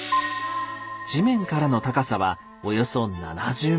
地面からの高さはおよそ７０ｍ。